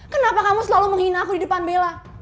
kenapa kamu selalu menghina aku di depan bella